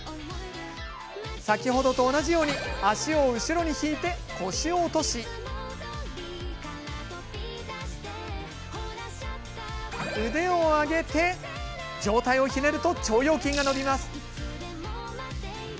先ほどと同じように足を後ろに引いて腰を落とし腕を上げて、上体をひねると腸腰筋が伸びます。